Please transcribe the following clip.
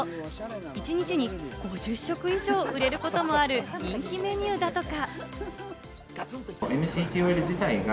一日に５０食以上売れることもある人気メニューだとか。